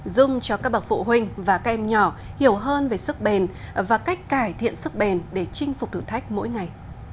dùng cho các bậc phụ huynh và các em nhỏ hiểu hơn về sức bền và cách cải thiện sức bền để chinh phục thử thách mỗi ngày